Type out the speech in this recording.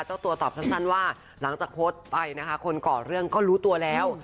เจ้าตัวตอบสั้นว่าหลังจากโพสต์ไปนะคะคนก่อเรื่องก็รู้ตัวแล้ว